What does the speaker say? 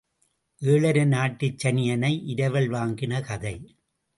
ஏழரை நாட்டுச் சனியனை இரவல் வாங்கின கதை.